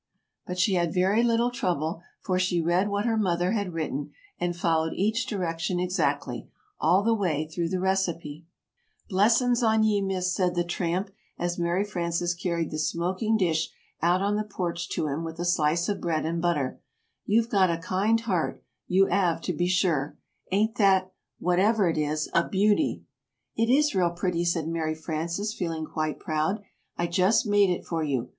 But she had very little trouble; for she read what her mother had written; and followed each direction exactly, all the way through the recipe. [Illustration: The omelet.] [Illustration: "Blessin's on ye, Little Miss," said the tramp.] "Blessin's on ye, Miss," said the tramp, as Mary Frances carried the smoking dish out on the porch to him with a slice of bread and butter. "You've got a kind heart, you 'ave, to be shure. Ain't that whatever it is a beauty!" "It is real pretty," said Mary Frances, feeling quite proud. "I just made it for you.